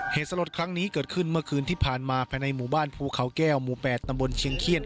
เหตุสลดครั้งนี้เกิดขึ้นเมื่อคืนที่ผ่านมาภายในหมู่บ้านภูเขาแก้วหมู่๘ตำบลเชียงเขี้ยน